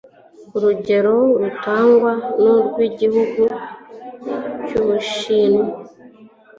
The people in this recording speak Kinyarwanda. Urugero rutangwa nurw'igihugu cy'ubushinwa